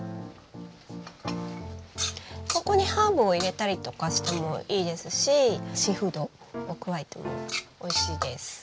ここにハーブを入れたりとかしてもいいですしシーフードを加えてもおいしいです。